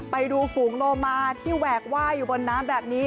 ไปดูฝูงโลมาที่แหวกว่ายอยู่บนน้ำแบบนี้